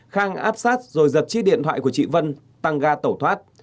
khang áp sát rồi giật chiếc điện thoại của chị vân tăng ga tẩu thoát